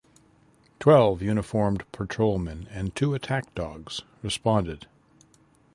Twelve uniformed patrolmen and two attack dogs responded.